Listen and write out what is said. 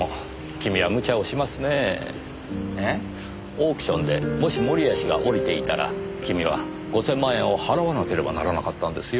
オークションでもし盛谷氏が降りていたら君は５０００万円を払わなければならなかったんですよ。